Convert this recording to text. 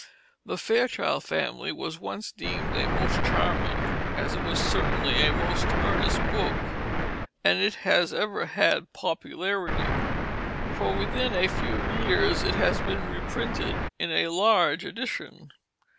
The Fairchild Family was once deemed a most charming, as it was certainly a most earnest book, and it has ever had popularity, for within a few years it has been reprinted in a large edition.